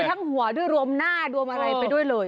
ทั้งหัวด้วยรวมหน้ารวมอะไรไปด้วยเลย